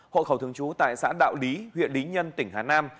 hộ khẩu thường trú tại xã đạo lý huyện lý nhân tỉnh hà nam